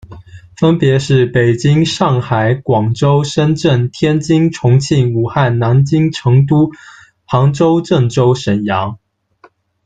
分别是北京、上海、广州、深圳、天津、重庆、武汉、南京、成都、杭州、郑州、沈阳。